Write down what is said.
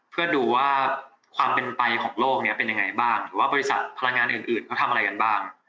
เพื่อดูว่าความเป็นไปของโลกนี้เป็นยังไงบ้างหรือว่าบริษัทพลังงานอื่นเขาทำอะไรกันบ้าง